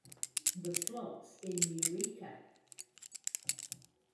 The plots in Eureka!